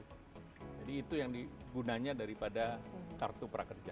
jadi itu yang digunanya daripada kartu prakerja